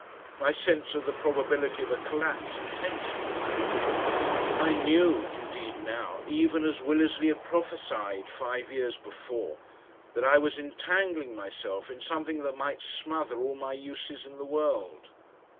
My sense of the probability of a collapse intensified. I knew indeed now, even as Willersley had prophesied five years before, that I was entangling myself in something that might smother all my uses in the world.